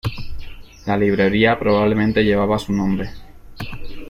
La librería probablemente llevaba su nombre.